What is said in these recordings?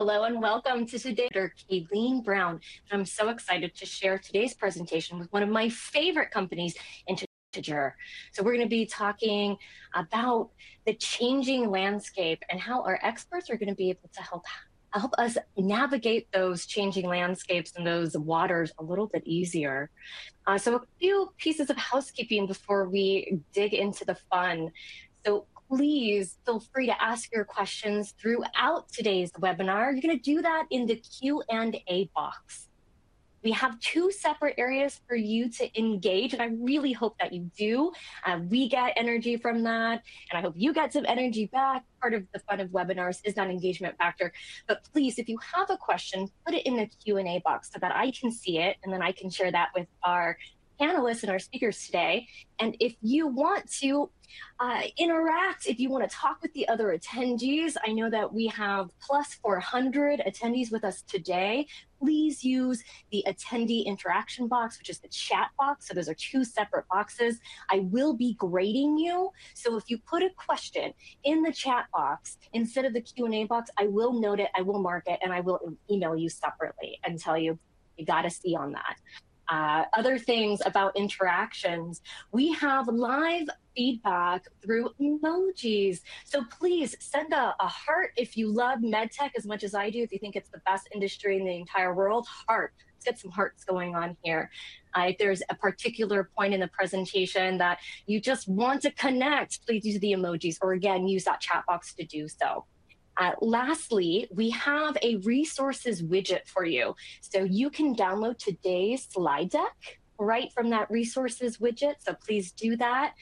Hello and welcome to Sedater. Kayleen Brown. I'm so excited to share today's presentation with one of my favorite companies, Integer. We're going to be talking about the changing landscape and how our experts are going to be able to help us navigate those changing landscapes and those waters a little bit easier. A few pieces of housekeeping before we dig into the fun. Please feel free to ask your questions throughout today's webinar. You're going to do that in the Q&A box. We have two separate areas for you to engage and I really hope that you do. We get energy from that and I hope you get some energy back. Part of the fun of webinars is that engagement factor. Please, if you have a question, put it in the Q&A box so that I can see it and then I can share that with our panelists and our speakers today. If you want to interact, if you want to talk with the other attendees, I know that we have +400 attendees with us today, please use the attendee interaction box, which is the chat box. Those are two separate boxes. I will be grading you. If you put a question in the chat box instead of the Q&A box, I will note it, I will mark it, and I will email you separately and tell you. You got a C on that. Other things about interactions. We have live feedback through emojis, so please send a heart. If you love medtech as much as I do, if you think it's the best industry in the entire world heart. Let's get some hearts going on here. If there's a particular point in the presentation that you just want to connect, please use the emojis or again, use that chat box to do so. Lastly, we have a resources widget for you, so you can download today's slide deck right from that resources widget. Please do that.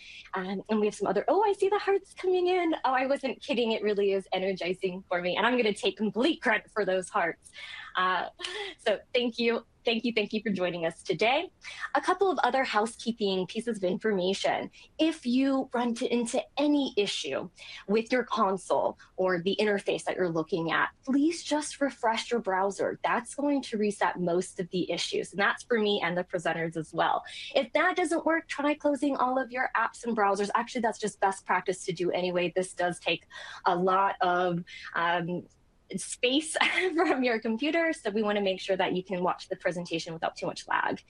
We have some other. Oh, I see the hearts coming in. Oh, I wasn't kidding. It really is energizing for me and I'm going to take complete credit for those hearts. Thank you. Thank you. Thank you for joining us today. A couple of other housekeeping pieces of information. If you run into any issue with your console or the interface that you're looking at, please just refresh your browser. That's going to reset most of the issues and that's for me and the presenters as well. If that doesn't work, try closing all of your apps and browsers. Actually, that's just best practice to do anyway. This does take a lot of space from your computer, so we want to make sure that you can watch the presentation without too much lag.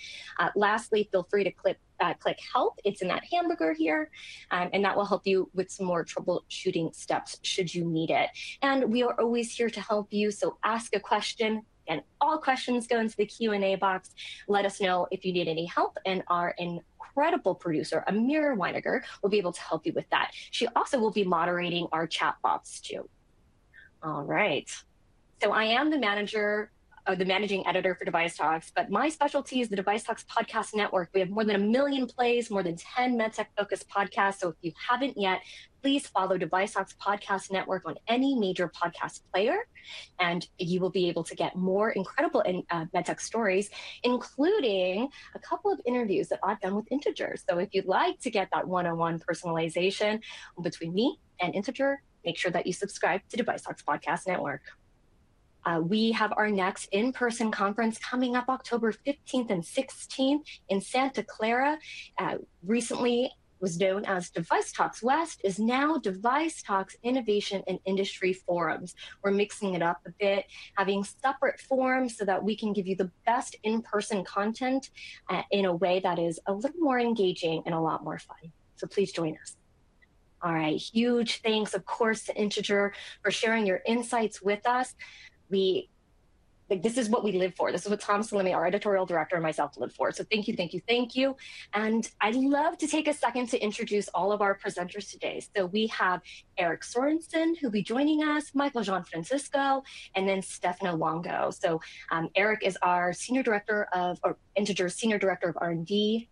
Lastly, feel free to click help. It's in that hamburger here and that will help you with some more troubleshooting steps should you need it. We are always here to help you. Ask a question and all questions go into the Q&A box. Let us know if you need any help and are in awe. Incredible. Producer Emira Wininger will be able to help you with that. She also will be moderating our chat bots too. All right, so I am the Managing Editor for DeviceTalks, but my specialty is the DeviceTalks Podcast Network. We have more than a million plays, more than 10 medtech focused podcasts. If you have not yet, please follow DeviceTalks Podcast Network on any major podcast player and you will be able to get more incredible medtech stories, including a couple of interviews that I have done with Integer. If you would like to get that 101 personalization between me and Integer, make sure that you subscribe to DeviceTalks Podcast Network. We have our next in person conference coming up October 15th and 16th in Santa Clara. Recently was known as DeviceTalks West is now DeviceTalks Innovation and Industry Forums. We're mixing it up a bit, having separate forums so that we can give you the best in person content in a way that is a little more engaging and a lot more fun. Please join us. All right, huge thanks of course to Integer for sharing your insights with us. We like this is what we live for. This is what Tom Salemi, our Editorial Director, and myself live for. Thank you, thank you, thank you. I love to take a second to introduce all of our presenters today. We have Erik Sorensen who'll be joining us, Michael Gianfrancesco, and then Stefano Longo. Erik is our Senior Director of R&D.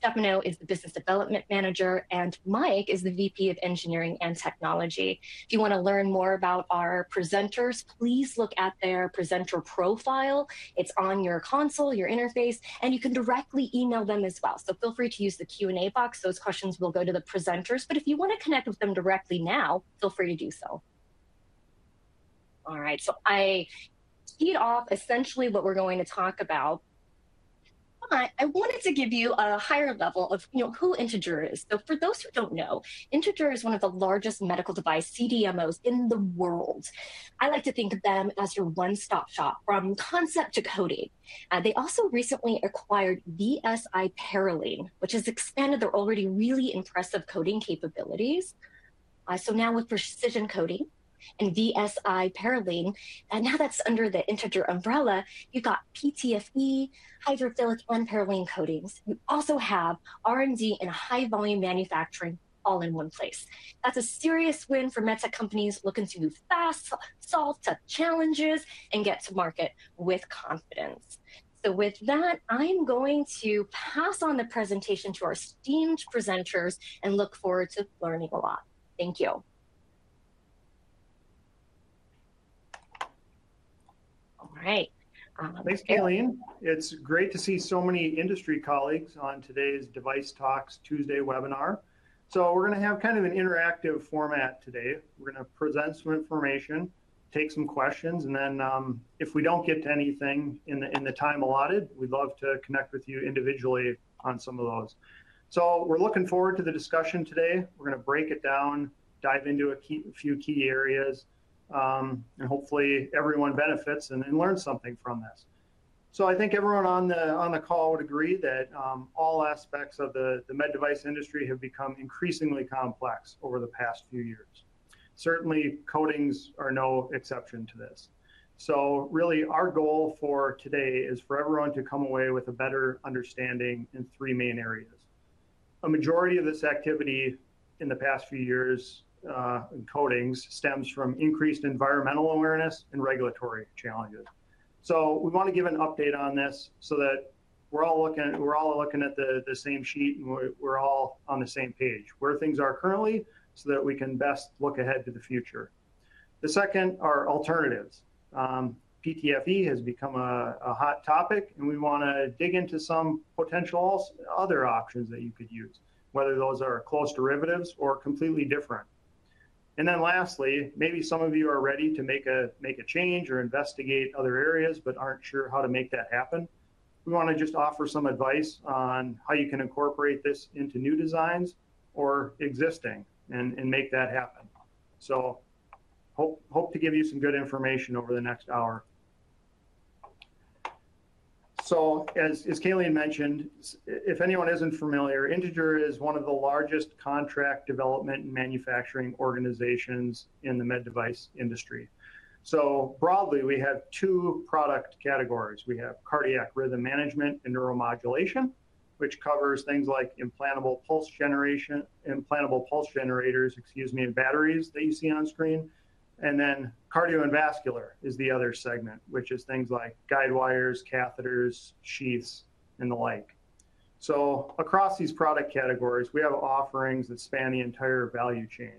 Stefano is the Business Development Manager, and Mike is the VP of Engineering and Technology. If you want to learn more about our presenters, please look at their presenter profile. It's on your console, your interface, and you can directly email them as well. Feel free to use the Q&A box. Those questions will go to the presenters, but if you want to connect with them directly now, feel free to do so. All right, I off essentially what we're going to talk about, but I wanted to give you a higher level of, you know, who Integer is. For those who don't know, Integer is one of the largest medical device CDMOs in the world. I like to think of them as your one stop shop from concept to coating. They also recently acquired VSi Parylene, which has expanded their already really impressive coating capabilities. Now with Precision Coating and VSi Parylene, and now that is under the Integer umbrella, you have PTFE, hydrophilic, and Parylene coatings. You also have R&D and high volume manufacturing all in one place. That is a serious win for medtech companies looking to move fast, solve tech challenges, and get to market with confidence. With that, I am going to pass on the presentation to our esteemed presenters and look forward to learning a lot. Thank you. All right. Thanks Kayleen. It's great to see so many industry colleagues on today's DeviceTalks Tuesday webinar. We're going to have kind of an interactive format today. We're going to present some information, take some questions, and then if we don't get to anything in the time allotted, we'd love to connect with you individually on some of those. We're looking forward to the discussion today. We're going to break it down, dive into a few key areas, and hopefully everyone benefits and learns something from this. I think everyone on the call would agree that all aspects of the med device industry have become increasingly complex over the past few years. Certainly coatings are no exception to this. Really our goal for today is for everyone to come away with a better understanding in three main areas. A majority of this activity in the past few years, coatings, stems from increased environmental awareness and regulatory challenges. We want to give an update on this so that we're all looking at the same sheet and we're all on the same page where things are currently so that we can best look ahead to the future. The second are alternatives. PTFE has become a hot topic and we want to dig into some potential other options that you could use, whether those are close derivatives or completely different. Lastly, maybe some of you are ready to make a change or investigate other areas but aren't sure how to make that happen. We want to just offer some advice on how you can incorporate this into new designs or existing and make that happen. Hope to give you some good information over the next hour. As Kayleen mentioned, if anyone isn't familiar, Integer is one of the largest contract development and manufacturing organizations in the med device industry. Broadly, we have two product categories. We have Cardiac Rhythm Management and neuromodulation, which covers things like implantable pulse generation, implantable pulse generators, excuse me, batteries that you see on screen. Cardio and vascular is the other segment, which is things like guide wires, catheters, sheaths and the like. Across these product categories, we have offerings that span the entire value chain.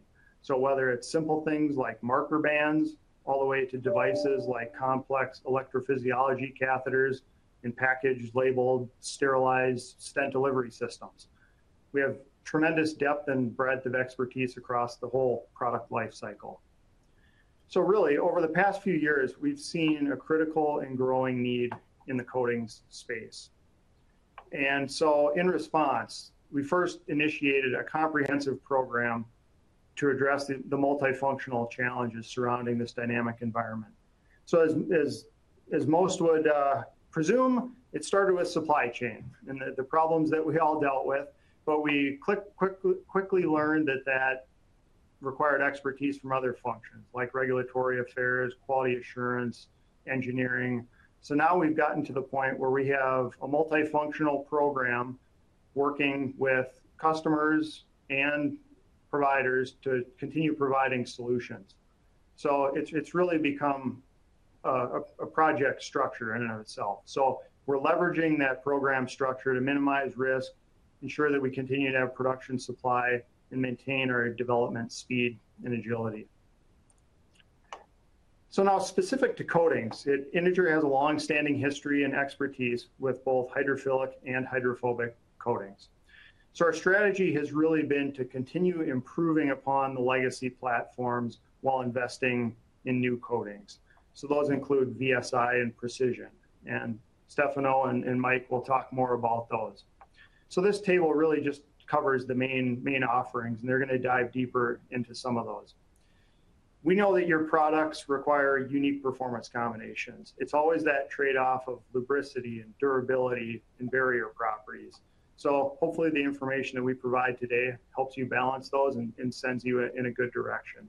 Whether it's simple things like marker bands all the way to devices like complex electrophysiology catheters and packaged labeled sterilized stent delivery systems, we have tremendous depth and breadth of expertise across the whole product life cycle. Really, over the past few years, we've seen a critical and growing need in the coatings space. In response, we first initiated a comprehensive program to address the multifunctional challenges surrounding this dynamic environment. As most would presume, it started with supply chain and the problems that we all dealt with. We quickly learned that required expertise from other functions like regulatory affairs, quality assurance, engineering. Now we have gotten to the point where we have a multifunctional program working with customers and providers to continue providing solutions. It has really become a project structure in and of itself. We are leveraging that program structure to minimize risk, ensure that we continue to have production supply, and maintain our development speed and agility. Now, specific to coatings, Integer has a long standing history and expertise with both hydrophilic and hydrophobic coatings. Our strategy has really been to continue improving upon the legacy platforms while investing in new coatings. Those include VSi and Precision and Stefano and Mike will talk more about those. This table really just covers the main offerings and they're going to dive deeper into some of those. We know that your products require unique performance combinations. It's always that trade off of lubricity and durability and barrier properties. Hopefully the information that we provide today helps you balance those and sends you in a good direction.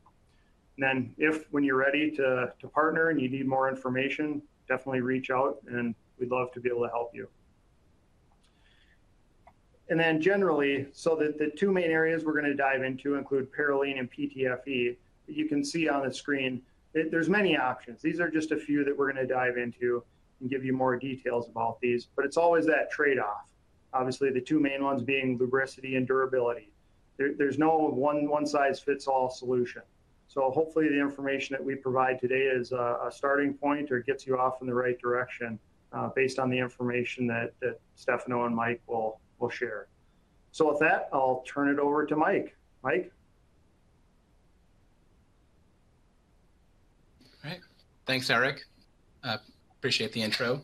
If when you're ready to partner and you need more information, definitely reach out and we'd love to be able to help you. Generally the two main areas we're going to dive into include Parylene and PTFE. You can see on the screen there are many options, these are just a few that we're going to dive into and give you more details about these. It's always that trade off. Obviously the two main ones being lubricity and durability. There's no one size fits all solution. Hopefully the information that we provide today is a starting point or gets you off in the right direction, based on the information that Stefano and Mike will share. With that, I'll turn it over to Mike. Thanks Erik. Appreciate the intro.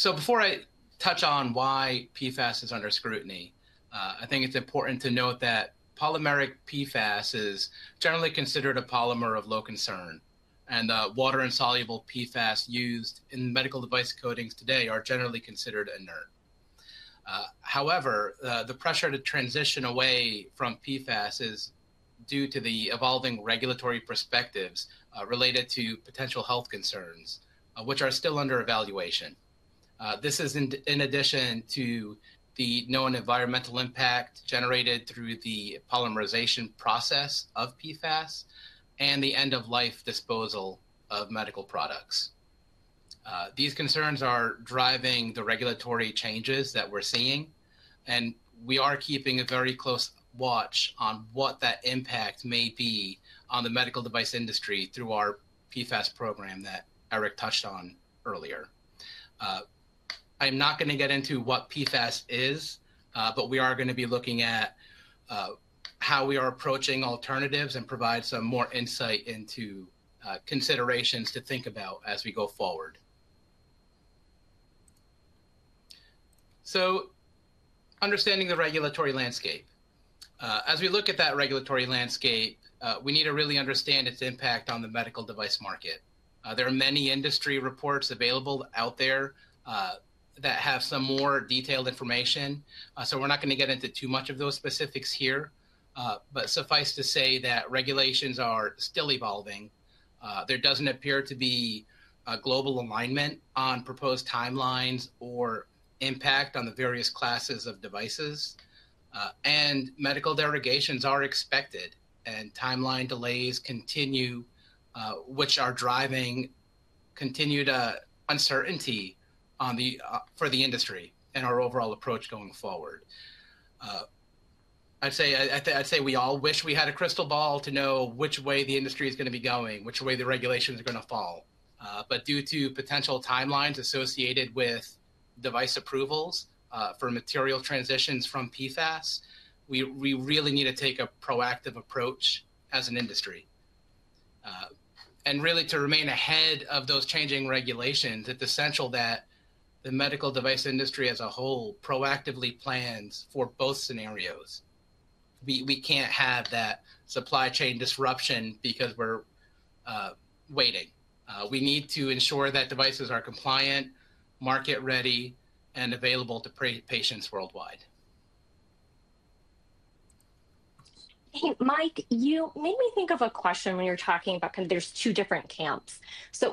Before I touch on why PFAS is under scrutiny, I think it's important to note that polymeric PFAS is generally considered a polymer of low concern and water insoluble PFAS used in medical device coatings today are generally considered inert. However, the pressure to transition away from PFAS is due to the evolving regulatory perspectives related to potential health concerns which are still under evaluation. This is in addition to the known environmental impact generated through the polymerization process of PFAS and the end of life disposal of medical products. These concerns are driving the regulatory changes that we're seeing and we are keeping a very close watch on what that impact may be on the medical device industry through our PFAS program that Erik touched on earlier. I'm not going to get into what PFAS is, but we are going to be looking at how we are approaching alternatives and provide some more insight into considerations to think about as we go forward. Understanding the regulatory landscape, as we look at that regulatory landscape, we need to really understand its impact on the medical device market. There are many industry reports available out there that have some more detailed information, so we're not going to get into too much of those specifics here. Suffice to say that regulations are still evolving. There doesn't appear to be global alignment on proposed timelines or impact on the various classes of devices, and medical derogations are expected and timeline delays continue, which are driving continued uncertainty for the industry and our overall approach going forward. I'd say we all wish we had a crystal ball to know which way the industry is going to be going, which way the regulations are going to fall. Due to potential timelines associated with device approvals for material transitions from PFAS, we really need to take a proactive approach as an industry and really to remain ahead of those changing regulations. It's essential that the medical device industry as a whole proactively plans for both scenarios. We can't have that supply chain disruption because we're waiting. We need to ensure that devices are compliant, market ready, and available to patients worldwide. Mike, you made me think of a question. When you're talking about there's two different camps.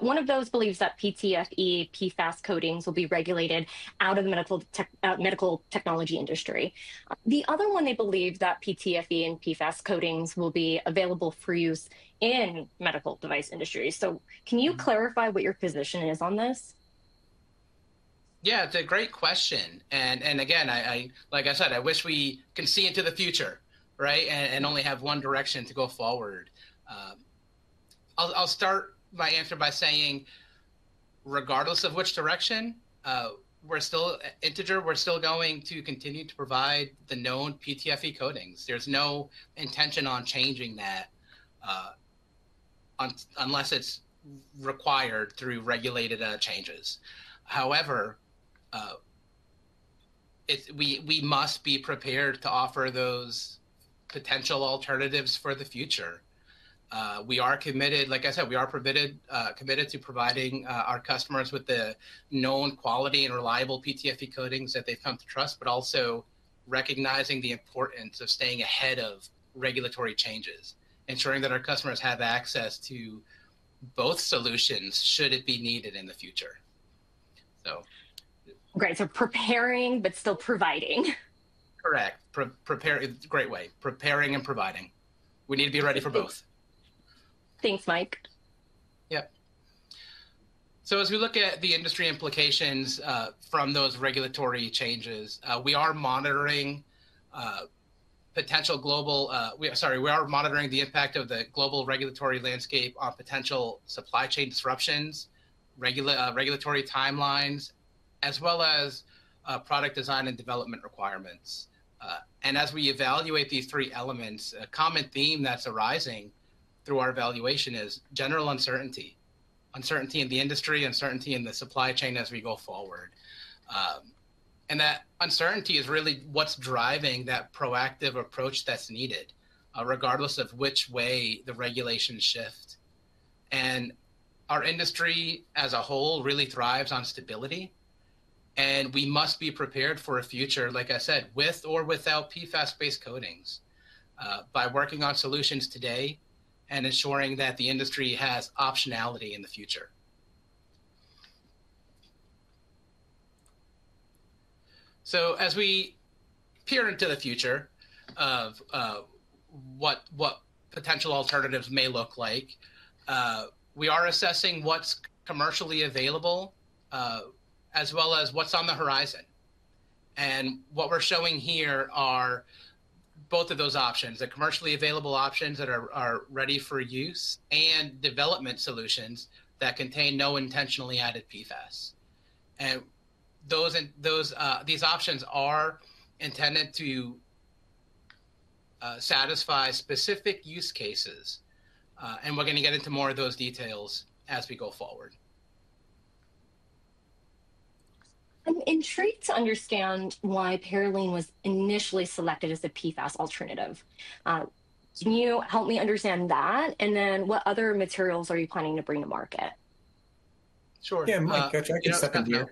One of those believes that PTFE, PFAS coatings will be regulated out of the medical technology industry. The other one, they believe that PTFE and PFAS coatings will be available for use in medical device industries. Can you clarify what your position is on this? Yeah, it's a great question. Again, like I said, I wish we could see into the future. Right. Only have one direction to go forward. I'll start my answer by saying regardless of which direction, we're still Integer. We're still going to continue to provide the known PTFE coatings. There's no intention on changing that unless it's required through regulated changes. However, we must be prepared to offer those potential alternatives for the future. We are committed, like I said, we are committed to providing our customers with the known quality and reliable PTFE coatings that they've come to trust. Also recognizing the importance of staying ahead of regulatory changes, ensuring that our customers have access to both solutions should it be needed in the future. Great. Preparing, but still providing. Correct preparing. Great way preparing and providing. We need to be ready for both. Thanks, Mike. Yep. As we look at the industry implications from those regulatory changes, we are monitoring the impact of the global regulatory landscape on potential supply chain disruptions, regulatory timelines, as well as product design and development requirements. As we evaluate these three elements, a common theme that's arising through our evaluation is general uncertainty. Uncertainty in the industry, uncertainty in the supply chain as we go forward. That uncertainty is really what's driving that proactive approach that's needed regardless of which way the regulations shift. Our industry as a whole really thrives on stability. We must be prepared for a future, like I said, with or without PFAS based coatings, by working on solutions today and ensuring that the industry has optionality in the future. As we peer into the future of what potential alternatives may look like, we are assessing what's commercially available as well as what's on the horizon. What we're showing here are both of those options, the commercially available options that are ready for use and development solutions that contain no intentionally added PFAS. These options are intended to satisfy specific use cases. We're going to get into more of those details as we go forward. I'm intrigued to understand why Parylene was initially selected as a PFAS alternative. Can you help me understand that? Can you tell me what other materials you are planning to bring to market? Sure. Yeah. Mike, I can second here.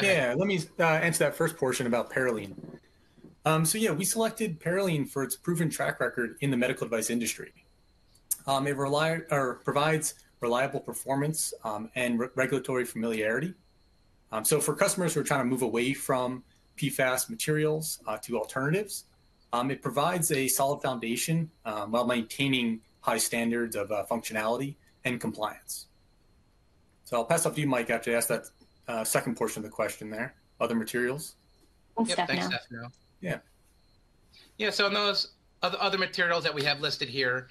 Yeah, let me answer that first portion about Parylene. Yeah, we selected Parylene for its proven track record in the medical device industry. It provides reliable performance and regulatory familiarity. For customers who are trying to move away from PFAS materials to alternatives, it provides a solid foundation while maintaining high standards of functionality and compliance. I'll pass it up to you, Mike, after I ask that second portion of the question, the other materials. Thanks, Stefano. Yeah, so in those other materials that we have listed here,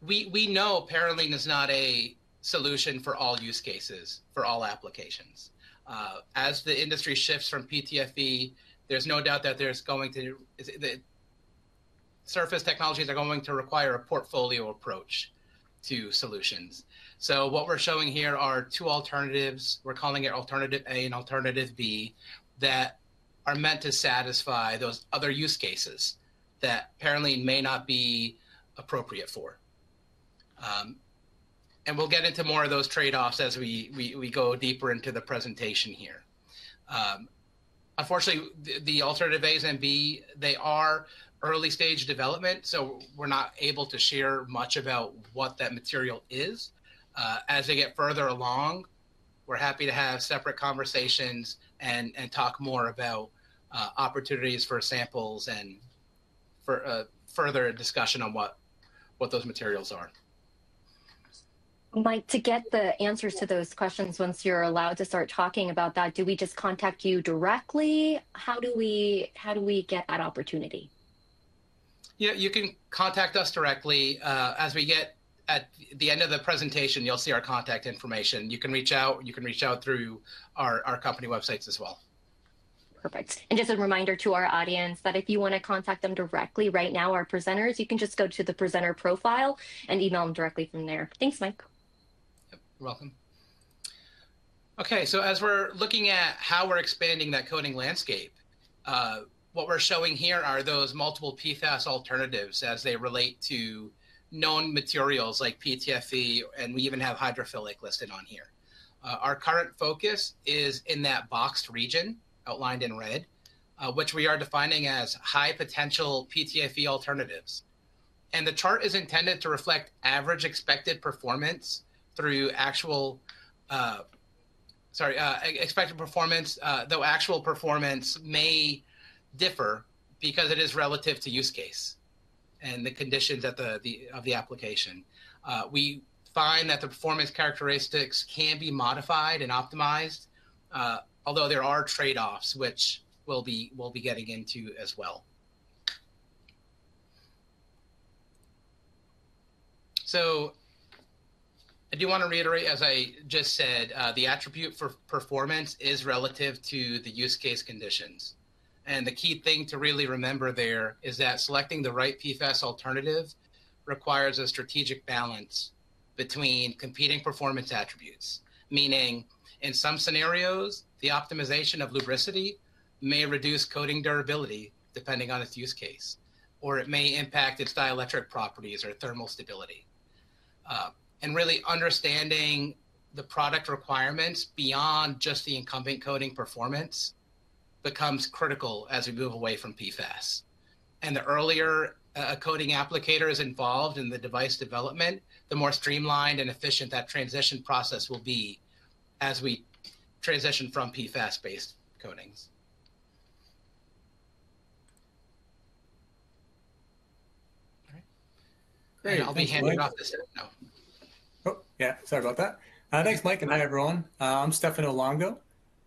we know Parylene is not a solution for all use cases for all applications. As the industry shifts from PTFE to, there's no doubt that the surface technologies are going to require a portfolio approach to solutions. What we're showing here are two alternatives. We're calling it Alternative A and Alternative B that are meant to satisfy those other use cases that Parylene may not be appropriate for. We'll get into more of those trade offs as we go deeper into the presentation here. Unfortunately, the Alternative A's and B, they are early stage development, so we're not able to share much about what that material is. As they get further along, we're happy to have separate conversations and talk more about opportunities for samples and for further discussion on what those materials are. Mike, to get the answers to those questions. Once you're allowed to start talking about that, do we just contact you directly? How do we, how do we get that opportunity? Yeah, you can contact us directly. As we get at the end of the presentation, you'll see our contact information. You can reach out, you can reach out through our company websites as well. Perfect. Just a reminder to our audience that if you want to contact them directly right now, our presenters, you can just go to the presenter profile and email them directly from there. Thanks, Mike. Welcome. Okay, as we're looking at how we're expanding that coating landscape, what we're showing here are those multiple PFAS alternatives as they relate to known materials like PTFE. We even have hydrophilic listed on here. Our current focus is in that boxed region outlined in red, which we are defining as high potential PTFE alternatives. The chart is intended to reflect average expected performance, though actual performance may differ because it is relative to use case and the conditions at the time of the application. We find that the performance characteristics can be modified and optimized. Although there are trade-offs, which we will be getting into as well. I do want to reiterate, as I just said, the attribute for performance is relative to the use case conditions. The key thing to really remember there is that selecting the right PFAS alternative requires a strategic balance between competing performance attributes. Meaning in some scenarios the optimization of lubricity may reduce coating durability depending on its use case or it may impact its dielectric properties or thermal stability. Really understanding the product requirements beyond just the incumbent coating performance becomes critical as we move away from PFAS, and the earlier coating applicators are involved in the device development, the more streamlined and efficient that transition process will be. As we transition from PFAS based coatings, I'll be handing off this. Oh yeah, sorry about that. Thanks, Mike. Hi everyone, I'm Stefano Longo.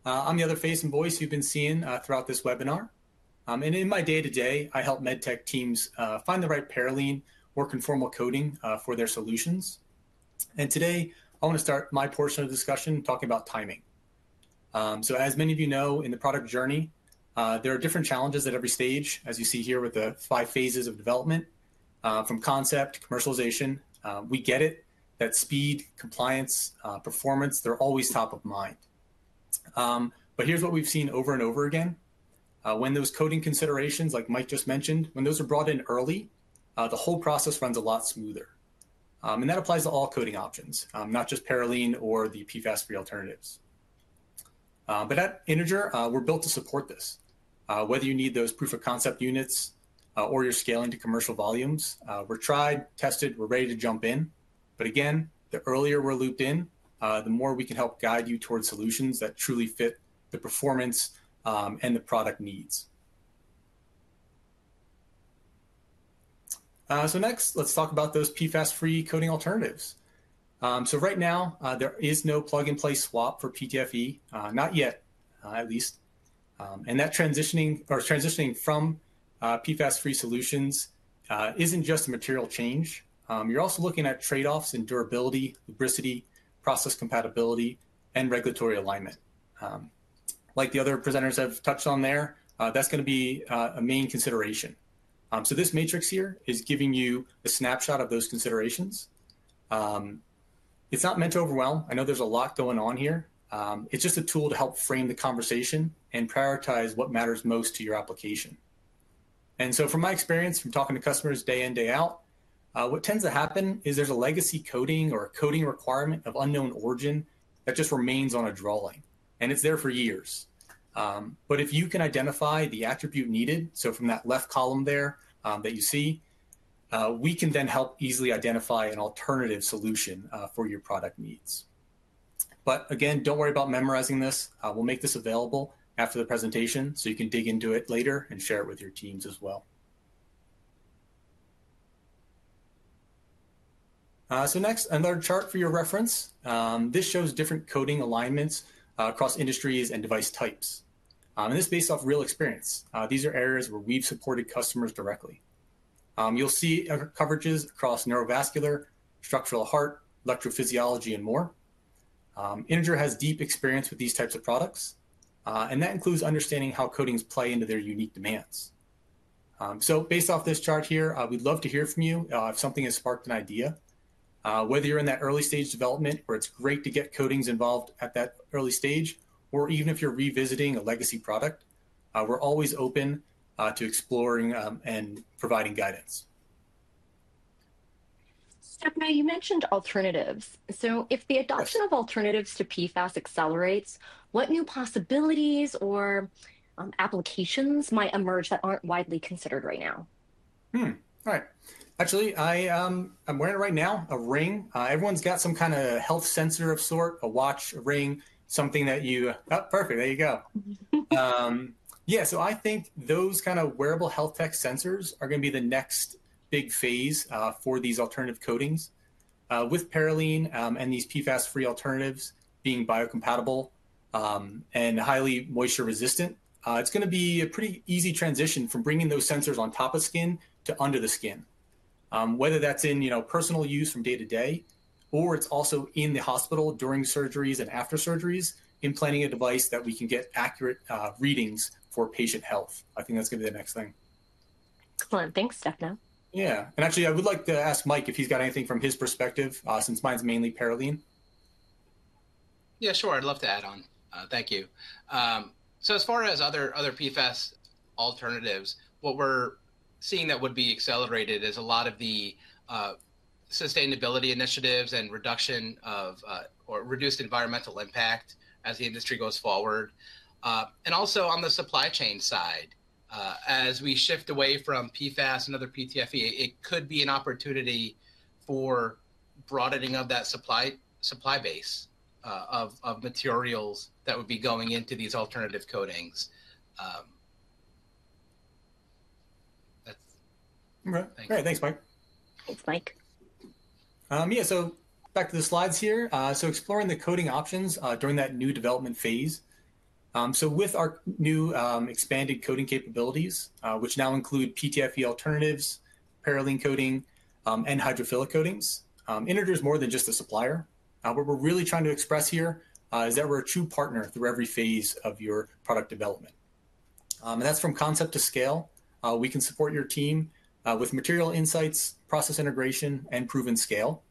I'm the other face and voice you've been seeing throughout this webinar and in my day to day I help medtech teams find the right Parylene work in conformal coating for their solutions. Today I want to start my portion of the discussion talking about timing. As many of you know, in the product journey there are different challenges at every stage. As you see here with the five phases of development, from concept to commercialization, we get it, that speed, compliance, performance, they're always top of mind. Here's what we've seen over and over again. When those coating considerations, like Mike just mentioned, when those are brought in early, the whole process runs a lot smoother. That applies to all coating options, not just Parylene or the PFAS-free alternatives, but at Integer, we're built to support this. Whether you need those proof of concept units or you're scaling to commercial volumes, we're tried, tested, we're ready to jump in. Again, the earlier we're looped in, the more we can help guide you towards solutions that truly fit the performance and the product needs. Next, let's talk about those PFAS-free coating alternatives. Right now there is no plug and play swap for PTFE, not yet at least. Transitioning from PFAS-free solutions is not just a material change. You're also looking at trade-offs in durability, lubricity, process compatibility, and regulatory alignment. Like the other presenters have touched on, that's going to be a main consideration. This matrix here is giving you a snapshot of those considerations. It's not meant to overwhelm. I know there's a lot going on here. It's just a tool to help frame the conversation and prioritize what matters most to your application. From my experience from talking to customers day in, day out, what tends to happen is there's a legacy coating or a coating requirement of unknown origin and that just remains on a drawing and it's there for years. If you can identify the attribute needed, from that left column there that you see, we can then help easily identify an alternative solution for your product needs. Again, don't worry about memorizing this. We'll make this available after the presentation so you can dig into it later and share it with your teams as well. Next, another chart for your reference. This shows different coating alignments across industries and device types. This is based off real experience. These are areas where we've supported customers directly. You'll see coverages across neurovascular, structural heart, electrophysiology, and more. Integer has deep experience with these types of products, and that includes understanding how coatings play into their unique demands. Based off this chart here, we'd love to hear from you if something has sparked an idea. Whether you're in that early stage development where it's great to get coatings involved at that early stage, or even if you're revisiting a legacy product, we're always open to exploring and providing guidance. Stefano, you mentioned alternatives. If the adoption of alternatives to PFAS accelerates, what new possibilities or applications might emerge that are not widely considered right now? Hmm. All right. Actually, I'm wearing it right now. A ring. Everyone's got some kind of health sensor of sort, a watch, ring, something that you. Oh, perfect. There you go. Yeah. I think those kind of wearable health tech sensors are gonna be the next big phase for these alternative coatings with Parylene and these PFAS free alternatives being biocompatible and highly moisture resistant, it's going to be a pretty easy transition from bringing those sensors on top of skin to under the skin. Whether that's in, you know, personal use from day to day, or it's also in the hospital during surgeries and after surgeries, implanting a device that we can get accurate readings for patient health, I think that's going to be the next thing. Thanks, Stefano. Yeah. Actually, I would like to ask Mike if he's got anything from his perspective, since mine's mainly Parylene. Yeah, sure. I'd love to add on. Thank you. As far as other PFAS alternatives, what we're seeing that would be accelerated is a lot of the sustainability initiatives and reduction of or reduced environmental impact as the industry goes forward. Also on the supply chain side, as we shift away from PFAS and other PTFE, it could be an opportunity for broadening of that supply base of materials that would be going into these alternative coatings. Thanks, Mike. Thanks, Mike. Yeah, back to the slides here. Exploring the coating options during that new development phase. With our new expanded coating capabilities, which now include PTFE alternatives, coating and hydrophilic coatings, Integer is more than just a supplier. What we're really trying to express here is that we're a true partner through every phase of your product development, and that's from concept to scale. We can support your team with material insights, process integration and proven scale.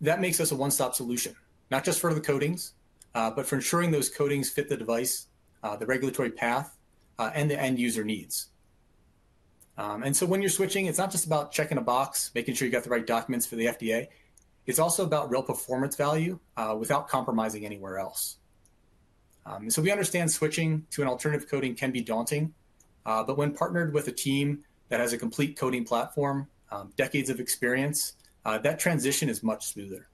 That makes us a one stop solution, not just for the coatings, but for ensuring those coatings fit the device, the regulatory path and the end user needs. When you're switching, it's not just about checking a box, making sure you got the right documents for the FDA, it's also about real performance value without compromising anywhere else. We understand switching to an alternative coating can be daunting, but when partnered with a team that has a complete coating platform, decades of experience, that transition is much smoother.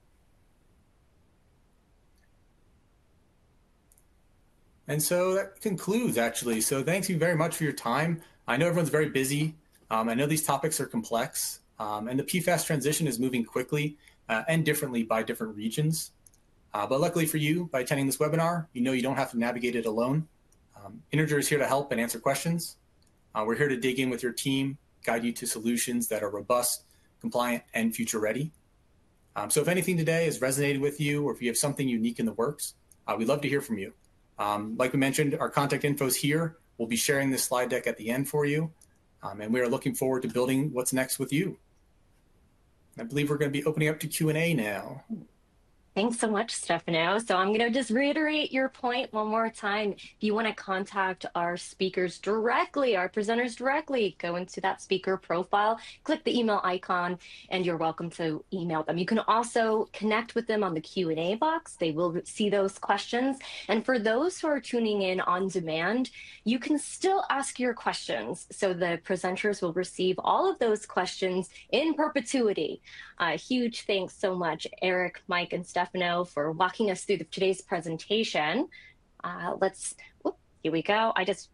That concludes actually, so thank you very much for your time. I know everyone's very busy. I know these topics are complex and the PFAS transition is moving quickly and differently by different regions. Luckily for you, by attending this webinar, you know you do not have to navigate it alone. Integer is here to help and answer questions. We are here to dig in with your team, guide you to solutions that are robust, compliant, and future ready. If anything today has resonated with you, or if you have something unique in the works, we would love to hear from you. Like we mentioned, our contact info is here. We'll be sharing this slide deck at the end for you and we are looking forward to building what's next with you. I believe we're going to be opening up to Q&A now. Thanks so much, Stefano. I'm going to just reiterate your point one more time. If you want to contact our speakers directly, our presenters directly, go into that speaker profile, click the email icon and you're welcome to email. You can also connect with them on the Q&A box. They will see those questions. For those who are tuning in on demand, you can still ask your questions. The presenters will receive all of those questions in perpetuity. Huge thanks so much Erik, Mike and Stefano for walking us through today's presentation. Here we go. I just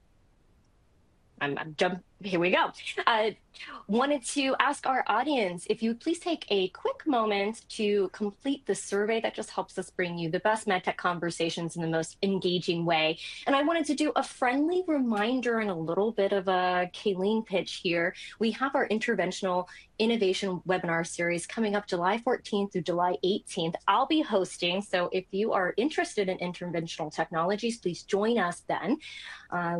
wanted to ask our audience if you would please take a quick moment to complete the survey that just helps us bring you the best medtech conversations in the most engaging way. I wanted to do a friendly reminder and a little bit of a Kayleen pitch here. We have our Interventional Innovation webinar series coming up July 14th through July 18th. I'll be hosting. If you are interested in interventional technologies, please join us then.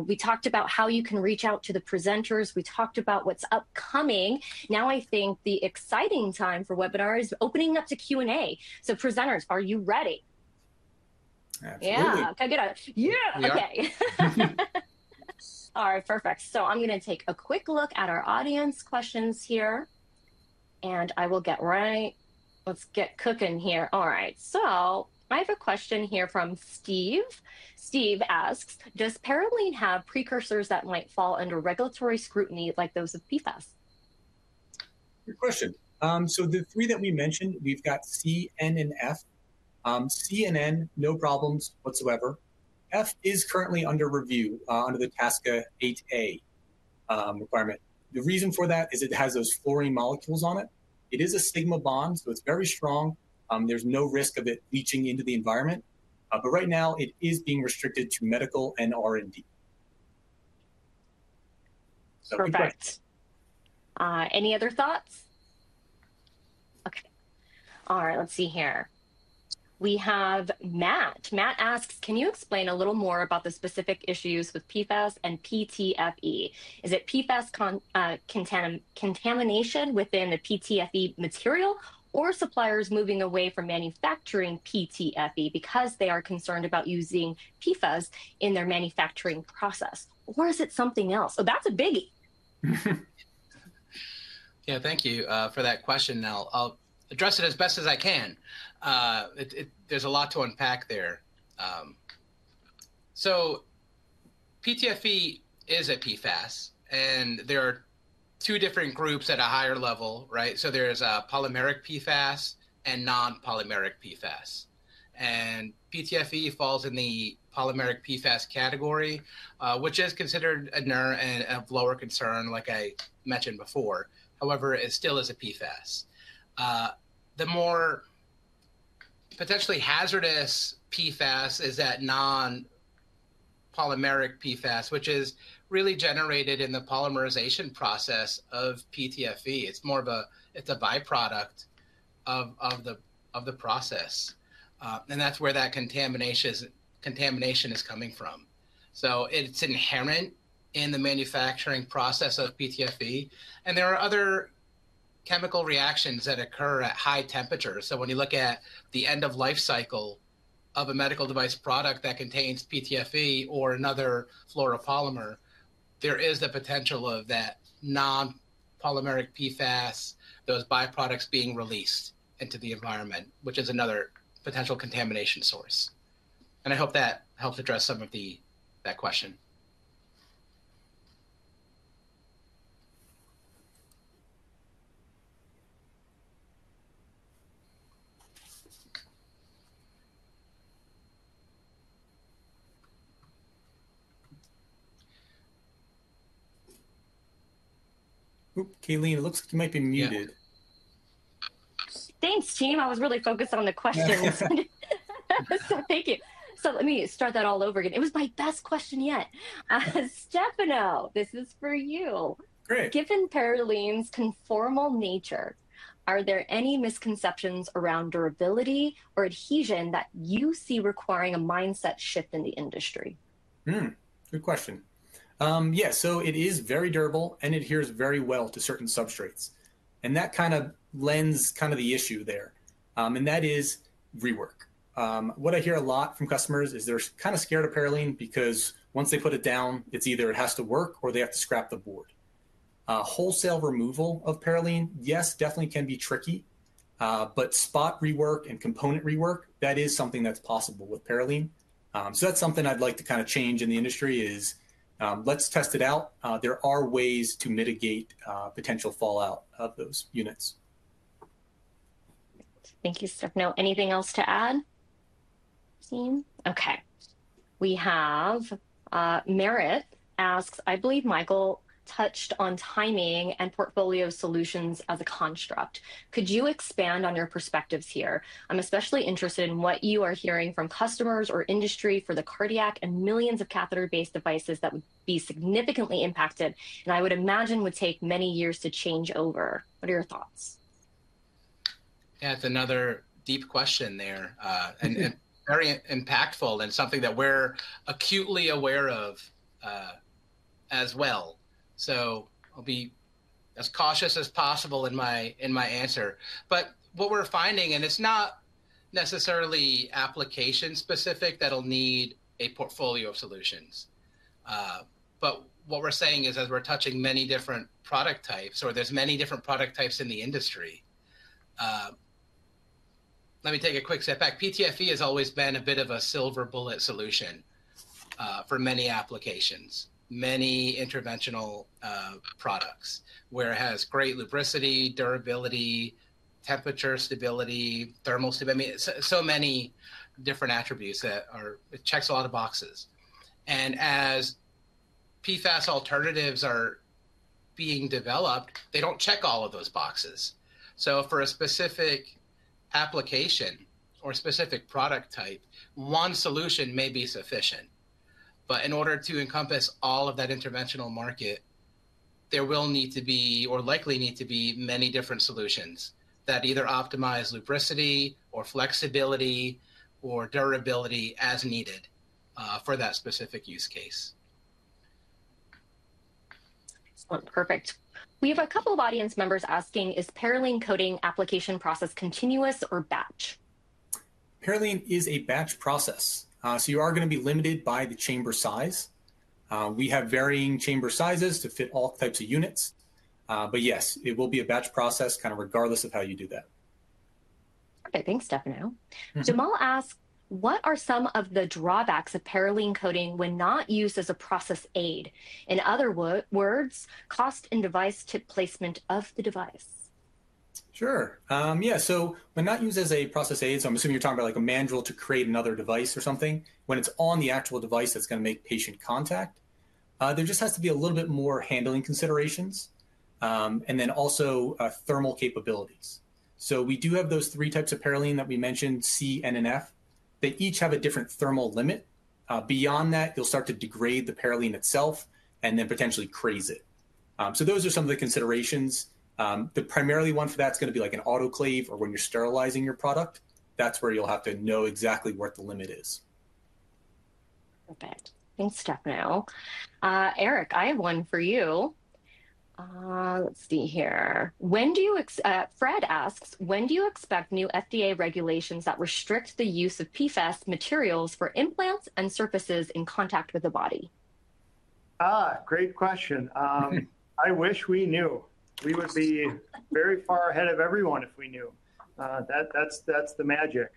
We talked about how you can reach out to the presenters. We talked about what's upcoming. Now, I think the exciting time for webinars is opening up to Q&A. Presenters, are you ready? Absolutely. Yeah. Okay. All right, perfect. I'm going to take a quick look at our audience questions here and I will get right, let's get cooking here. I have a question here from Steve. Steve asks, does Parylene have precursors that might fall under regulatory scrutiny like those of PFAS? Good question. The three that we mentioned, we've got C, N, and F. C and N, no problems whatsoever. F is currently under review under the TSCA 8a requirement. The reason for that is it has those fluorine molecules on it. It is a sigma bond, so it's very strong. There's no risk of it leaching into the environment. Right now it is being restricted to medical and R&D. Perfect. Any other thoughts? Okay. All right, let's see here. We have Matt. Matt asks, can you explain a little more about the specific issues with PFAS and PTFE? Is it PFAS contamination within the PTFE material or suppliers moving away from manufacturing PTFE because they are concerned about using PFAS in their manufacturing process, or is it something else? That is a biggie. Yeah. Thank you for that question. Now I'll address it as best as I can. There's a lot to unpack there. PTFE is a PFAS and there are two different groups at a higher level. Right. There's a polymeric PFAS and non-polymeric PFAS. PTFE falls in the polymeric PFAS category, which is considered a NER and a lower concern, like I mentioned before. However, it still is a PFAS. The more potentially hazardous PFAS is that non-polymeric PFAS, which is really generated in the polymerization process of PTFE. It's more of a byproduct of the process and that's where that contamination is coming from. It's inherent in the manufacturing process of PTFE. There are other chemical reactions that occur at high temperatures. When you look at the end of life cycle of a medical device product that contains PTFE or another fluoropolymer, there is the potential of that non-polymeric PFAS, those byproducts being released into the environment, which is another potential contamination source. I hope that helps address some of that question. Kayleen, it looks like you might be muted. Thanks team. I was really focused on the questions. Thank you. Let me start that all over again. It was my best question yet. Stefano, this is for you. Great. Given Parylene's conformal nature, are there any misconceptions around durability or adhesion that you see requiring a mindset shift in the industry? Hmm, good question. Yeah. It is very durable and adheres very well to certain substrates and that kind of lends kind of the issue there, and that is rework. What I hear a lot from customers is they're kind of scared of Parylene because once they put it down, it either has to work or they have to scrap the board. Wholesale removal of Parylene, yes, definitely can be tricky. Spot rework and component rework, that is something that's possible with Parylene. That's something I'd like to kind of change in the industry. Let's test it out. There are ways to mitigate potential fallout of those units. Thank you. Stefano. Anything else to add? Okay, we have Merritt asks, I believe Michael touched on timing and portfolio solutions as a construct. Could you expand on your perspectives here? I'm especially interested in what you are hearing from customers or industry for the cardiac and millions catheter based devices that would be significantly impacted and I would imagine would take many years to change over. What are your thoughts? That's another deep question there and very impactful and something that we're acutely aware of as well. I'll be as cautious as possible in my answer. What we're finding, and it's not necessarily application specific, is that it'll need a portfolio of solutions. What we're saying is as we're touching many different product types, or there's many different product types in the industry. Let me take a quick step back. PTFE has always been a bit of a silver bullet solution for many applications, many interventional products where it has great lubricity, durability, temperature stability, thermal stability, so many different attributes that are. It checks a lot of boxes and as PFAS alternatives are being developed, they don't check all of those boxes. For a specific application or specific product type, one solution may be sufficient. In order to encompass all of that interventional market, there will need to be or likely need to be many different solutions that either optimize lubricity or flexibility or durability as needed for that specific use case. Perfect. We have a couple of audience members asking, is Parylene coating application process continuous or batch? Parylene is a batch process, so you are going to be limited by the chamber size. We have varying chamber sizes to fit all types of units. Yes, it will be a batch process, kind of, regardless of how you do that. Okay, thanks, Stefano. Jamal asks, what are some of the drawbacks of Parylene coating when not used as a process aid? In other words, cost and device to placement of the device? Sure, yeah. When not used as a process aid, I'm assuming you're talking about like a mandrel to create another device or something. When it's on the actual device that's going to make patient contact, there just has to be a little bit more handling considerations and then also thermal capabilities. We do have those three types of Parylene that we mentioned, C, N, and F. They each have a different thermal limit. Beyond that, you'll start to degrade the Parylene itself and then potentially craze it. Those are some of the considerations. The primary one for that is going to be like an autoclave or when you're sterilizing your product. That's where you'll have to know exactly what the limit is. Thanks, Stefano. Erik, I have one for you. Let's see here. When do you—Fred asks, when do you expect new FDA regulations that restrict the use of PFAS materials for implants and surfaces in contact with the body? Ah, great question. I wish we knew. We would be very far ahead of everyone if we knew that. That's the magic.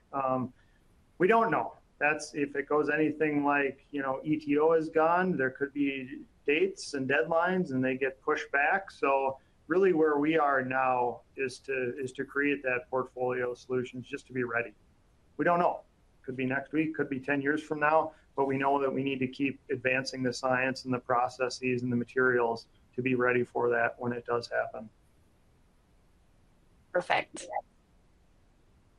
We don't know if it goes anything like EtO is gone. There could be dates and deadlines and they get pushed back. Really where we are now is to create that portfolio of solutions just to be ready. We don't know. Could be next week, could be 10 years from now. We know that we need to keep advancing the science and the processes and the materials to be ready for that when it does happen. Perfect.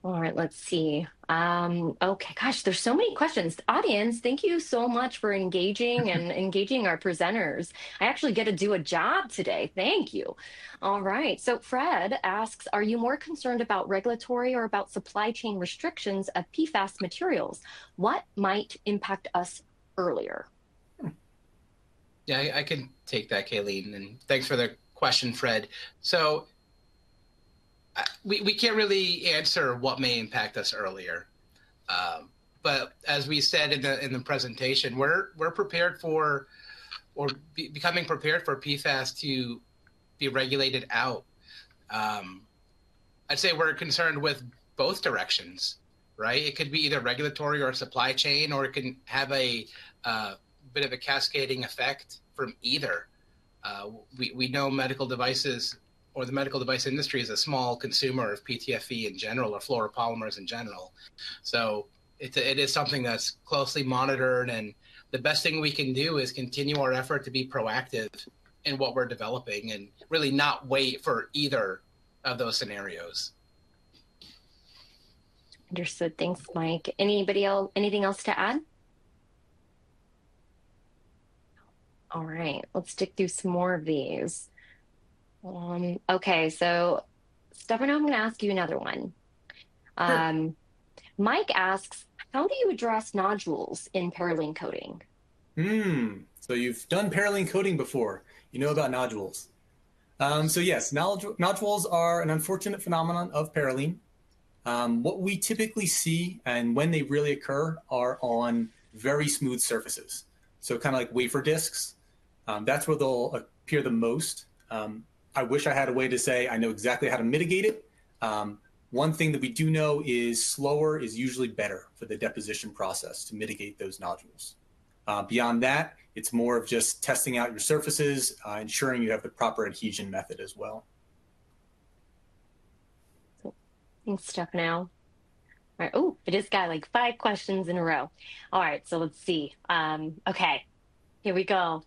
All right, let's see. Okay. Gosh, there's so many questions. Audience, thank you so much for engaging and engaging our presenters. I actually get to do a job today. Thank you. All right, so Fred asks, are you more concerned about regulatory or about supply chain restrictions of PFAS materials? What might impact us earlier? Yeah, I can take that, Kayleen. Thanks for the question, Fred. We can't really answer what may impact us earlier, but as we said in the presentation, we're prepared for or becoming prepared for PFAS to be regulated out. I'd say we're concerned with both directions. Right. It could be either regulatory or supply chain, or it can have a bit of a cascading effect from either. We know medical devices or the medical device industry is a small consumer of PTFE in general or fluoropolymers in general. It is something that's closely monitored. The best thing we can do is continue our effort to be proactive in what we're developing and really not wait for either of those scenarios. Understood. Thanks, Mike. Anybody anything else to add? All right, let's stick through some more of these. Okay, so, Stefano, I'm going to ask you another one. Mike asks, how do you address nodules in Parylene coating? You've done Parylene coating before. You know about nodules. Yes, nodules are an unfortunate phenomenon of Parylene. What we typically see and when they really occur are on very smooth surfaces. Kind of like wafer discs, that's where they'll appear the most. I wish I had a way to say I know exactly how to mitigate it. One thing that we do know is slower is usually better for the deposition process to mitigate those nodules. Beyond that, it's more of just testing out your surfaces, ensuring you have the proper adhesion method as well. Thanks Stefano. It has got like five questions in a row. All right, so let's see. Okay, here we go.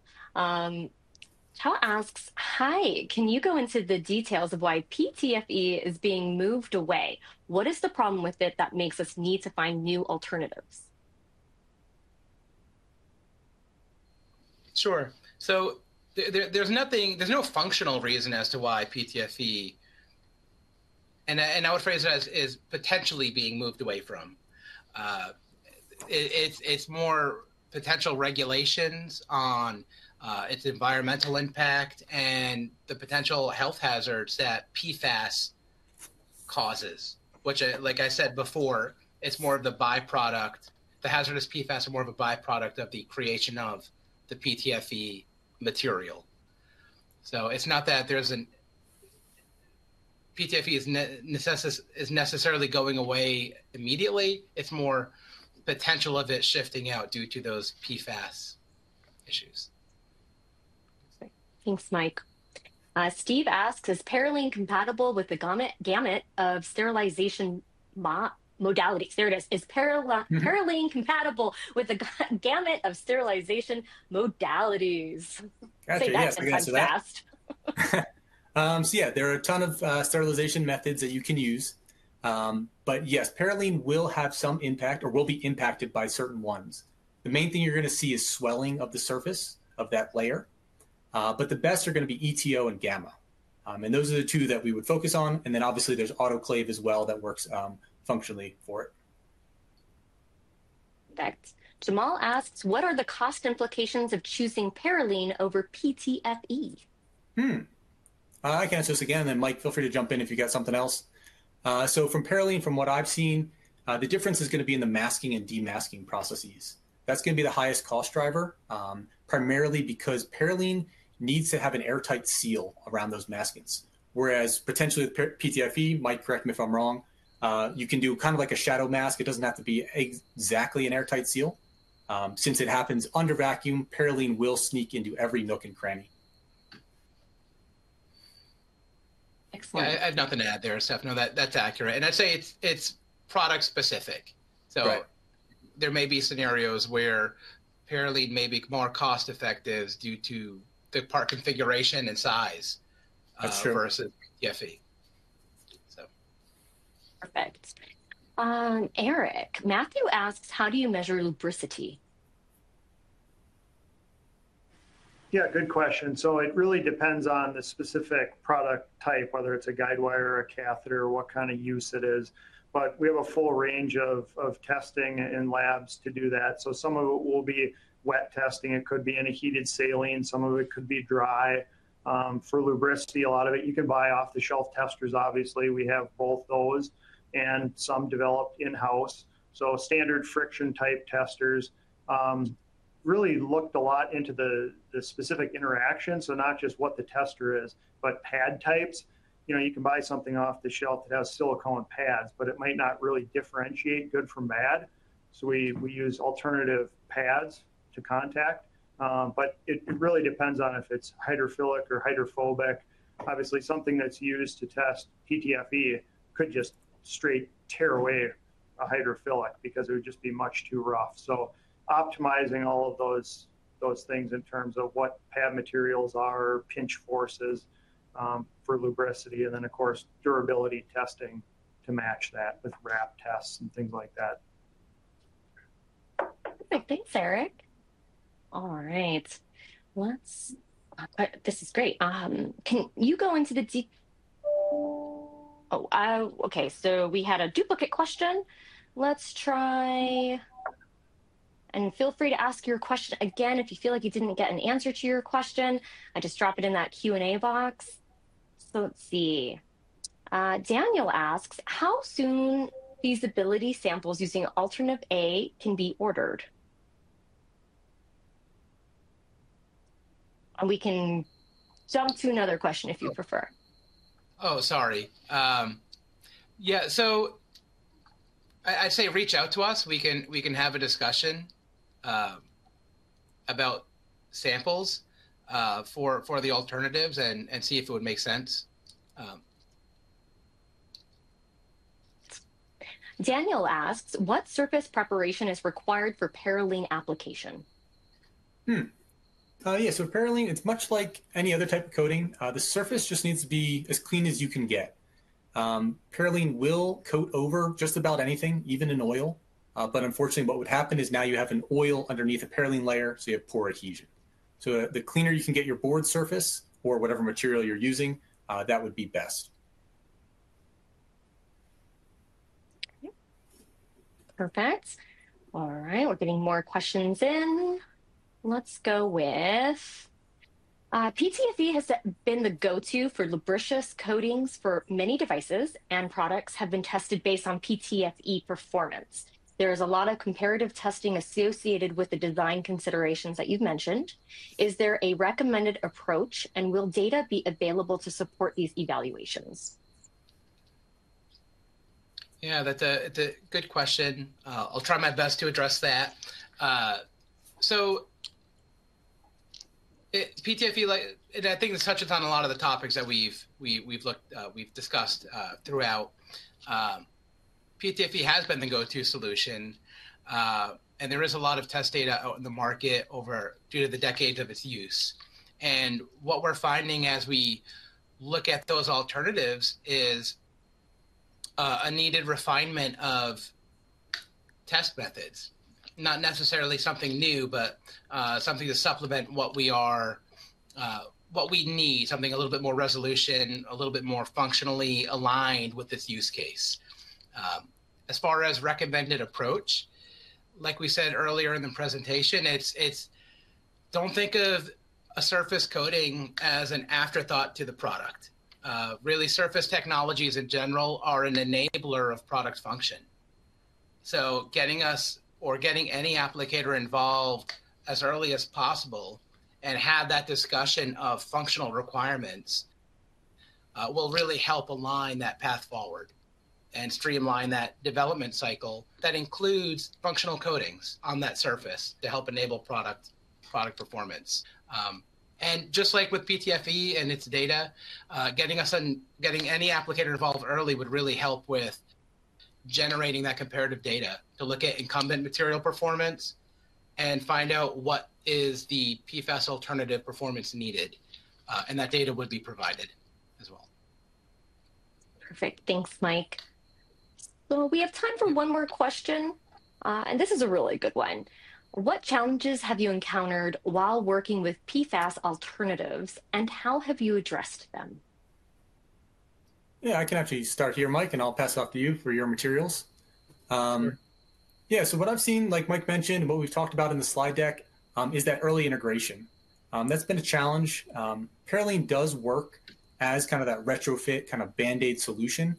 Asks, hi, can you go into the details of why PTFE is being moved away? What is the problem with it that makes us need to find new alternatives? Sure. There's nothing. There's no functional reason as to why PTFE, and I would phrase it as, is potentially being moved away from. It's more potential regulations on its environmental impact and the potential health hazards that PFAS causes, which, like I said before, it's more of the byproduct. The hazardous PFAS are more of a byproduct of the creation of the PTFE material. It's not that PTFE is necessarily going away immediately. It's more potential of it shifting out due to those PFAS issues. Thanks, Mike. Steve asks, is Parylene compatible with the gamut of sterilization modality? There it is. Is Parylene compatible with the gamut of sterilization modalities? Yeah, there are a ton of sterilization methods that you can use. But yes, Parylene will have some impact or will be impacted by certain ones. The main thing you're going to see is swelling of the surface of that layer. But the best are going to be EtO and gamma, and those are the two that we would focus on. And then obviously there's autoclave as well that works functionally for it. Thanks. Jamal asks, what are the cost implications of choosing Parylene over PTFE? I can answer this again. Mike, feel free to jump in if you got something else. From Parylene, from what I've seen, the difference is going to be in the masking and demasking processes. That's going to be the highest cost driver, primarily because Parylene needs to have an airtight seal around those maskings, whereas potentially PTFE might, correct me if I'm wrong, you can do kind of like a shadow mask. It does not have to be exactly an airtight seal since it happens under vacuum. Parylene will sneak into every nook and cranny. Excellent. I have nothing to add there, Stefano. That's accurate and I'd say it's product specific. There may be scenarios where Parylene may be more cost effective due to the part configuration and size versus PTFE. Perfect. Erik, Matthew asks, how do you measure lubricity? Yeah, good question. It really depends on the specific product type, whether it's a guide wire or a catheter, what kind of use it is. We have a full range of testing in labs to do that. Some of it will be wet testing. It could be in a heated saline, some of it could be dry. For lubricity, a lot of it you can buy off-the-shelf testers. Obviously, we have both those and some developed in house. Standard friction type testers really looked a lot into the specific interaction. Not just what the tester is, but pad types. You know, you can buy something off the shelf that has silicone pads, but it might not really differentiate good from bad. We use alternative pads to contact, but it really depends on if it's hydrophilic or hydrophobic. Obviously, something that's used to test PTFE could just straight tear away a hydrophilic because it would just be much too rough. Optimizing all of those things in terms of what pad materials are, pinch forces for lubricity, and then of course, durability testing to match that with wrap tests and things like that. Thanks, Erik. All right, let's. This is great. Can you go into the. Oh, okay. We had a duplicate question. Try and feel free to ask your question again if you feel like you didn't get an answer to your question, just drop it in that Q&A box. Let's see. Daniel asks how soon feasibility samples using alternate A can be ordered. We can jump to another question if you prefer. Oh, sorry. Yeah. I say reach out to us. We can have a discussion about samples for the alternatives and see if it would make sense. Daniel asks what surface preparation is required for Parylene application? Yes, Parylene. It's much like any other type of coating. The surface just needs to be as clean as you can get. Parylene will coat over just about anything, even in oil. Unfortunately, what would happen is now you have an oil underneath a Parylene layer so you have poor adhesion. The cleaner you can get your board surface or whatever material you're using, that would be best. Perfect. All right, we're getting more questions in. Let's go with PTFE has been the go to for lubricious coatings for many devices and products have been tested based on PTFE performance. There is a lot of comparative testing associated with the design considerations that you've mentioned. Is there a recommended approach and will data be available to support these evaluations? Yeah, that's a good question. I'll try my best to address that. So. PTFE, I think this touches on a lot of the topics that we've discussed throughout. PTFE has been the go to solution and there is a lot of test data out in the market due to the decades of its use. What we're finding as we look at those alternatives is a needed refinement of test methods. Not necessarily something new, but something to supplement what we are, what we need, something a little bit more resolution, a little bit more functionally aligned with this use case. As far as recommended approach, like we said earlier in the presentation, it's don't think of a surface coating as an afterthought to the product. Really, surface technologies in general are an enabler of product function. Getting us or getting any applicator involved as early as possible and having that discussion of functional requirements will really help align that path forward and streamline that development cycle that includes functional coatings on that surface to help enable product performance. Just like with PTFE and its data, getting any applicator involved early would really help with generating that comparative data to look at incumbent material performance and find out what is the PFAS alternative performance needed, and that data would be provided as well. Perfect. Thanks, Mike. We have time for one more question, and this is a really good one. What challenges have you encountered while working with PFAS alternatives and how have you addressed them? Yeah, I can actually start here, Mike, and I'll pass off to you for your materials. Yeah, so what I've seen, like Mike mentioned, what we've talked about in the slide deck is that early integration. That's been a challenge. Parylene does work as kind of that retrofit kind of band aid solution,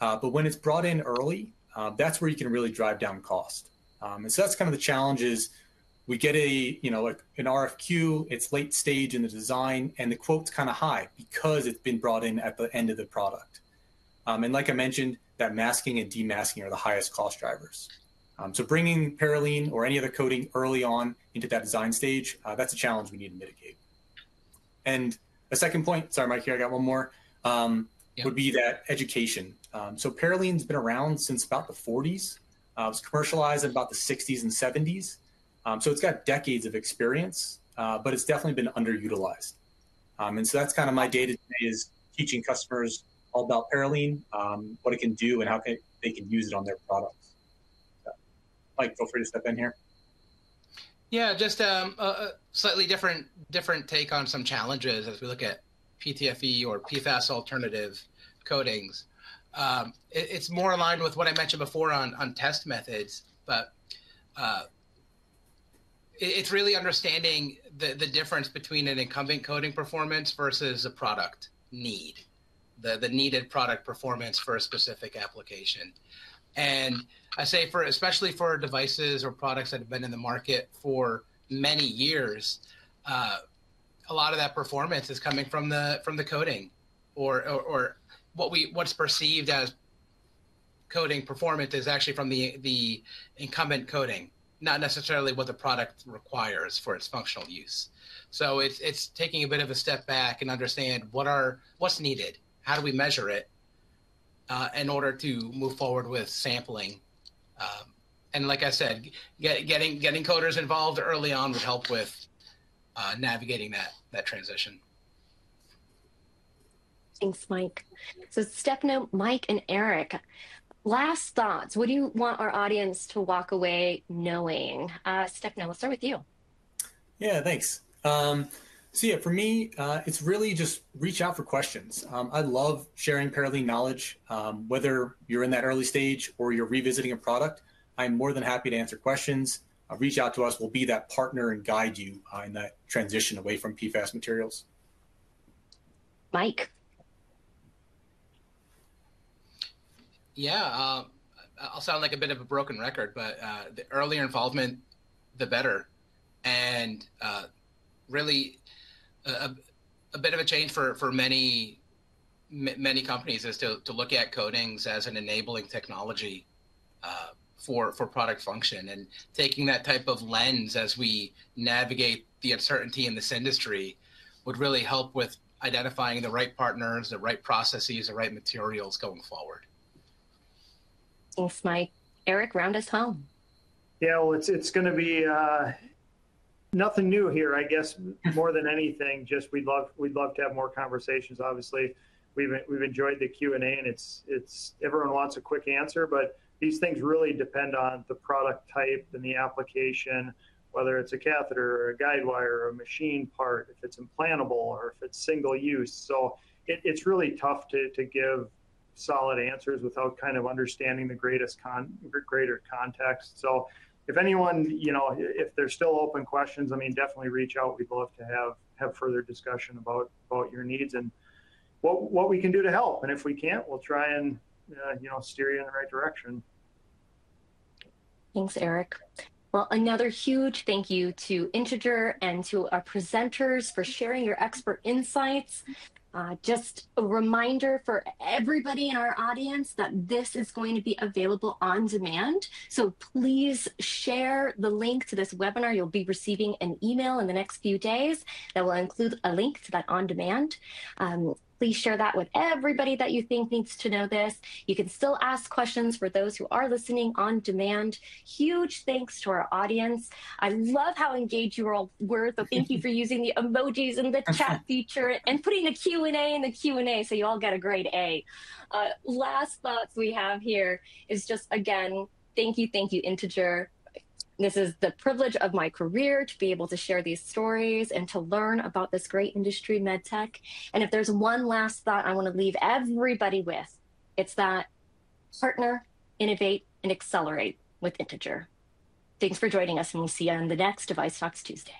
but when it's brought in early, that's where you can really drive down cost. That's kind of the challenge is we get an RFQ. It's late stage in the design and the quote's kind of high because it's been brought in at the end of the product. Like I mentioned, that masking and demasking are the highest cost drivers. Bringing Parylene or any other coating early on into that design stage, that's a challenge we need to mitigate. A second point. Sorry, Mike, here, I got one more would be that education. Parylene has been around since about the 1940s. It was commercialized in about the 1960s and 1970s, so it's got decades of experience, but it's definitely been underutilized. That's kind of my day-to-day is teaching customers all about Parylene, what it can do and how they can use it on their products. Mike, feel free to step in here. Yeah, just slightly different take on some challenges as we look at PTFE or PFAS alternative coatings. It's more aligned with what I mentioned before on test methods, but it's really understanding the difference between an incumbent coating performance versus a product need. The needed product performance for a specific application. I say especially for devices or products that have been in the market for many years, a lot of that performance is coming from the coating or what we, what's perceived as coating performance is actually from the incumbent coating, not necessarily what the product requires for its functional use. It's taking a bit of a step back and understanding what is needed, how do we measure it in order to move forward with sampling. Like I said, getting coaters involved early on would help with navigating that transition. Thanks, Mike. Stefano, Mike and Erik, last thoughts. What do you want our audience to walk away knowing? Stefano, we'll start with you. Yeah, thanks. For me it's really just reach out for questions. I love sharing Parylene knowledge. Whether you're in that early stage or you're revisiting a product, I'm more than happy to answer questions. Reach out to us. We'll be that partner and guide you in that transition away from PFAS materials. Mike? Yeah, I'll sound like a bit of a broken record, but the earlier involvement, the better. Really a bit of a change for many, many companies is to look at coatings as an enabling technology for product function. Taking that type of lens as we navigate the uncertainty in this industry would really help with identifying the right partners, the right processes, the right materials going forward. Thanks, Mike. Erik, round us home. Yeah, it's going to be nothing new here, I guess, more than anything, just we'd love to have more conversations. Obviously, we've enjoyed the Q&A and everyone wants a quick answer, but these things really depend on the product type and the application, whether it's a catheter or a guide wire or a machine part, if it's implantable or if it's single use. It's really tough to give solid answers without kind of understanding the greater context. If anyone, you know, if there's still open questions, I mean, definitely reach out. We'd love to have further discussion about your needs and what we can do to help. If we can't, we'll try and, you know, steer you in the right direction. Thanks, Erik. Another huge thank you to Integer and to our presenters for sharing your expert insights. Just a reminder for everybody in our audience that this is going to be available on demand. Please share the link to this webinar. You'll be receiving an email in the next few days that will include a link to that on demand. Please share that with everybody that you think needs to know this. You can still ask questions for those who are listening on demand. Huge thanks to our audience. I love how engaged you all were. Thank you for using the emojis and the chat feature and putting the Q&A in the Q&A so you all get a grade A. Last thought we have here is just again, thank you. Thank you, Integer. This is the privilege of my career to be able to share these stories and to learn about this great industry, med tech. If there's one last thought I want to leave everybody with, it's that partner, innovate, and accelerate with Integer. Thanks for joining us and we'll see you on the next DeviceTalks Tuesday.